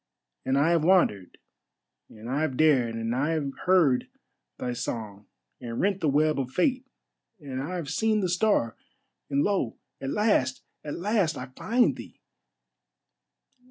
And I have wandered, and I have dared, and I have heard thy song, and rent the web of Fate, and I have seen the Star, and lo! at last, at last! I find thee.